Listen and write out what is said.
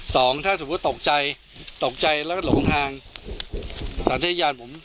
สองถ้าสมมุติตกใจตกใจแล้วก็หลงทางสัญญาณผม